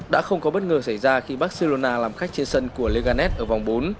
đã không có bất ngờ xảy ra khi barcelona làm khách trên sân của leganet ở vòng bốn